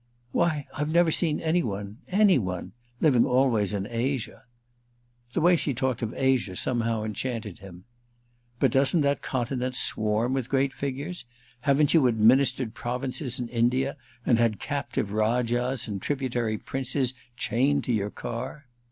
"Why I've never seen any one—any one: living always in Asia." The way she talked of Asia somehow enchanted him. "But doesn't that continent swarm with great figures? Haven't you administered provinces in India and had captive rajahs and tributary princes chained to your car?"